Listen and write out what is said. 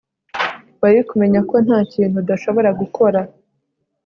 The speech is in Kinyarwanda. Wari kumenya ko ntakintu udashobora gukora